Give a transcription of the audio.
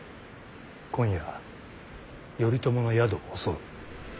今夜頼朝の宿を襲う。